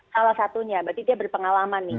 salah satunya berarti dia berpengalaman nih